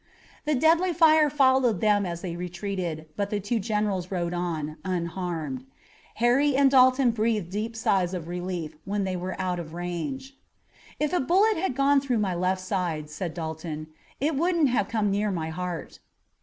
The deadly fire followed them as they retreated, but the two generals rode on, unharmed. Harry and Dalton breathed deep sighs of relief when they were out of range. "If a bullet had gone through my left side," said Dalton, "it wouldn't have come near my heart."